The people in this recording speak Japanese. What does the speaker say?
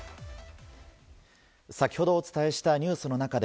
先ほどお伝えしたニュースの中で